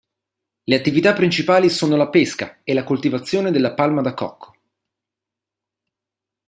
Le attività principali sono la pesca e la coltivazione della palma da cocco.